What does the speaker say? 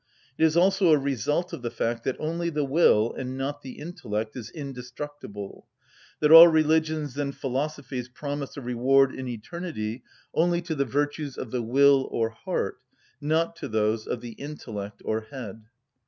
It is also a result of the fact that only the will, and not the intellect, is indestructible, that all religions and philosophies promise a reward in eternity only to the virtues of the will, or heart, not to those of the intellect, or head.